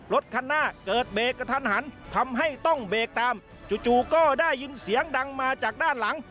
รถคันหน้าเกิดเบรกกระทันหันทำให้ต้องเบรกตามจู่ก็ได้ยินเสียงดังมาจากด้านหลัง